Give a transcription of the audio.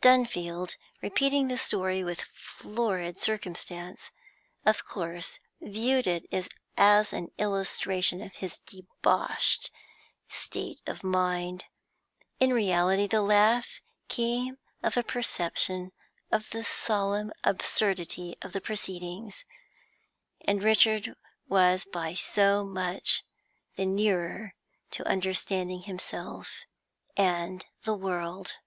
Dunfield, repeating the story with florid circumstance, of course viewed it as an illustration of his debauched state of mind; in reality the laugh came of a perception of the solemn absurdity of the proceedings, and Richard was by so much the nearer to understanding himself and the world.